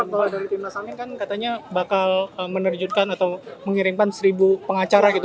prof kalau dari tim nasional kan katanya bakal menerjukan atau mengirimkan seribu pengacara gitu